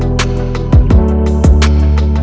ibu gak boleh bekerja lagi